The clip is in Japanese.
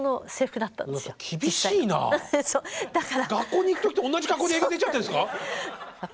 学校に行く時と同じ格好で映画出ちゃってるんですか？